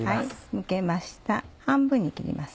むけました半分に切ります。